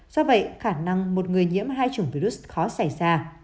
do vậy khả năng một người nhiễm hai chủng virus khó xảy ra